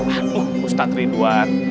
aduh ustaz rinduan